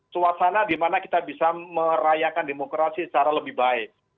suasana di mana kita bisa merayakan demokrasi secara lebih baik